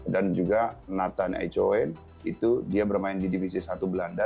dan juga nathan echowen itu dia bermain di divisi satu belanda